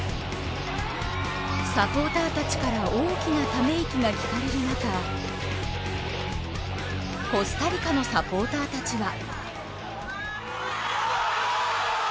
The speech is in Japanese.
サポーターたちから大きなため息が聞こえる中コスタリカのサポーターたちは。